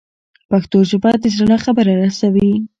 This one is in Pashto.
پښتو ژبه د زړه خبره رسوي.